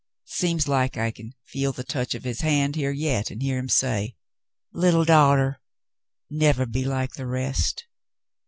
Seems like I can feel the touch of his hand here yet and hear him say: 'Little daughter, never be like the rest.